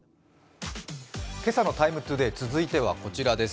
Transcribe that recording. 今朝の「ＴＩＭＥ，ＴＯＤＡＹ」、続いてはこちらです。